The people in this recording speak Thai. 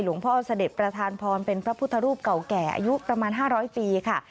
พ่อเสด็จประธานพรเป็นพระพุทธรูปเก่าแก่อายุประมาณ๕๐๐ปีค่ะ